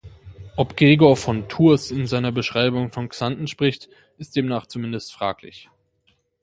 Ob Gregor von Tours in seiner Beschreibung von Xanten spricht, ist demnach zumindest fraglich.